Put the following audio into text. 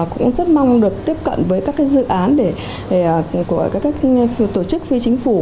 cũng rất mong được tiếp cận với các dự án của các tổ chức phi chính phủ